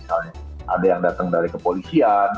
ada yang datang dari kepolisian